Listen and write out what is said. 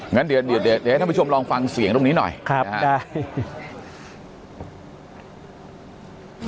งั้นเดี๋ยวให้ท่านผู้ชมลองฟังเสียงตรงนี้หน่อยนะครับบ๊วยบ๊วยครับได้